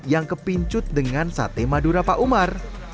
yang kepincut dengan sate madura pak umar